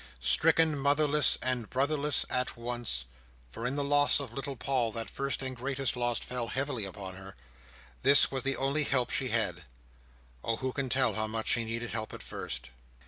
Stricken motherless and brotherless at once—for in the loss of little Paul, that first and greatest loss fell heavily upon her—this was the only help she had. Oh, who can tell how much she needed help at first!